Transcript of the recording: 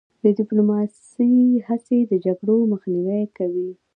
د ډیپلوماسی هڅې د جګړو مخنیوی کوي.